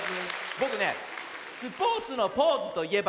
ぼくね「スポーツのポーズといえば？」